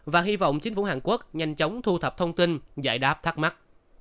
và hy vọng chính phủ hàn quốc nhanh chóng thu thập thông tin giải đáp thắc mắc